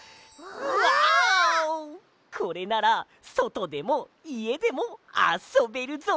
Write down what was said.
これならそとでもいえでもあそべるぞ！